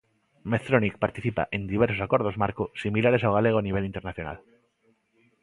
Medtronic participa en diversos acordos marco similares ao galego nivel internacional.